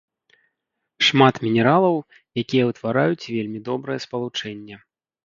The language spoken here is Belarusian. Шмат мінералаў, якія ўтвараюць вельмі добрае спалучэнне.